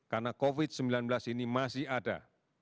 karena covid sembilan belas ini masih ada